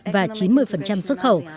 và chín mươi xuất khẩu